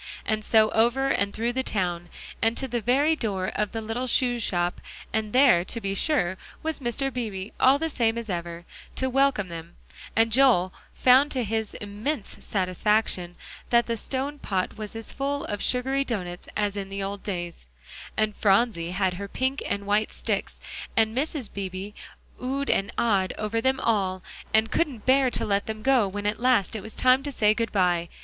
And so over and through the town, and to the very door of the little shoe shop, and there, to be sure, was Mr. Beebe the same as ever, to welcome them; and Joel found to his immense satisfaction that the stone pot was as full of sugary doughnuts as in the old days; and Phronsie had her pink and white sticks, and Mrs. Beebe "Oh ed" and "Ah ed" over them all, and couldn't bear to let them go when at last it was time to say "good by."